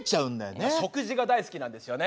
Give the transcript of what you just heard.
食事が大好きなんですよね。